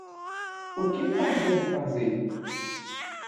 O que mais devo fazer?